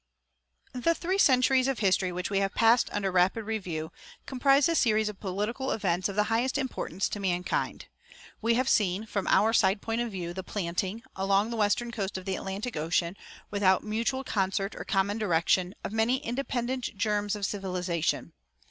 The three centuries of history which we have passed under rapid review comprise a series of political events of the highest importance to mankind. We have seen, from our side point of view, the planting, along the western coast of the Atlantic Ocean, without mutual concert or common direction, of many independent germs of civilization.